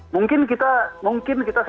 mungkin kita mungkin kita satu satu